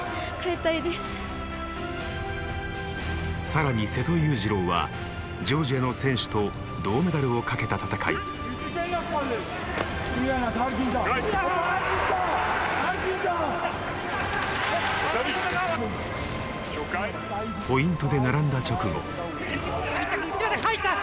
更に瀬戸勇次郎はジョージアの選手と銅メダルをかけたたたかいポイントで並んだ直後内股返した！